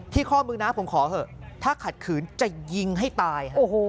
ข้อมือน้าผมขอเถอะถ้าขัดขืนจะยิงให้ตาย